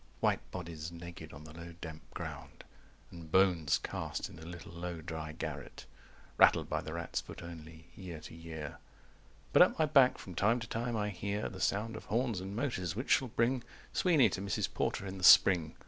White bodies naked on the low damp ground And bones cast in a little low dry garret, Rattled by the rat's foot only, year to year. But at my back from time to time I hear The sound of horns and motors, which shall bring Sweeney to Mrs. Porter in the spring.